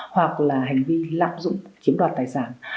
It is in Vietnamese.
hoặc là hành vi lạm dụng chiếm đoạt tài sản